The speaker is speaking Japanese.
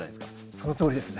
そのとおりですね。